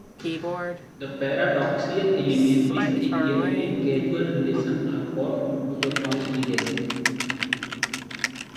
The paradoxical elements disappear when causal relations are brought into consideration.